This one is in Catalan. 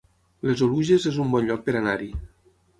Les Oluges es un bon lloc per anar-hi